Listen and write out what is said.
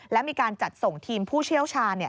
และมีการจัดส่งทีมผู้เชี่ยวชาญ